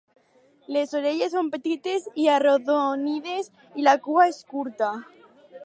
Les orelles són petites i arrodonides i la cua és curta.